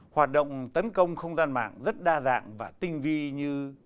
hoạt động tấn công không gian mạng rất đa dạng và tinh vi như